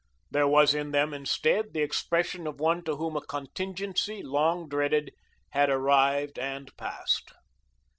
There was in them instead, the expression of one to whom a contingency, long dreaded, has arrived and passed.